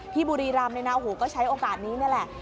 พี่บุรีรำในนาวหูก็ใช้โอกาสนี้นั่นแหละ